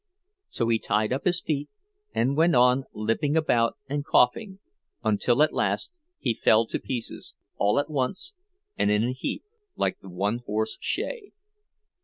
So he tied up his feet, and went on limping about and coughing, until at last he fell to pieces, all at once and in a heap, like the One Horse Shay.